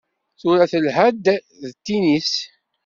Tura telha-d d tinis.